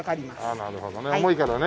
ああなるほどね重いからね。